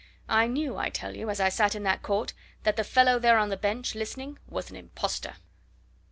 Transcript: I knew, I tell you, as I sat in that court, that the fellow there on the bench, listening, was an impostor!"